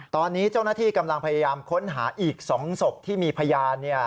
ตอนนี้เจ้าหน้าที่กำลังพยายามค้นหาอีก๒ศพที่มีพยาน